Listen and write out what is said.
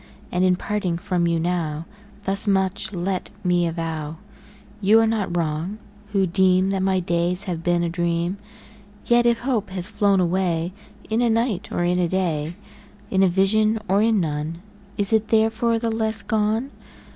And, in parting from you now, Thus much let me avow You are not wrong, who deem That my days have been a dream: Yet if hope has flown away In a night, or in a day, In a vision or in none, Is it therefore the less gone?